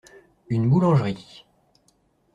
Une boulangerie.